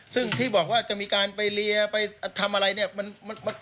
ซึ่งที่บอกว่าจะมีการไปเรียไปทำอะไรเนี่ย